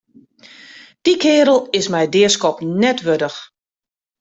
Dy keardel is my it deaskoppen net wurdich.